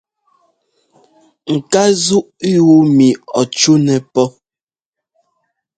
Ŋ ká zúʼ yúu mi ɔ cúnɛ pɔ́.